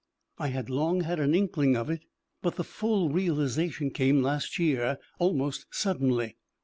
I had long had an inkling of it, but the full realisation came last year almost suddenly.